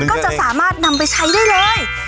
ก็จะสามารถนำไปใช้ได้เลย